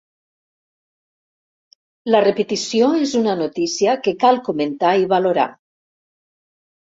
La repetició és una notícia que cal comentar i valorar.